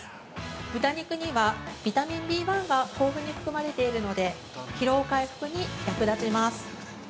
豚肉には、ビタミンＢ１が豊富に含まれているので疲労回復に役立ちます。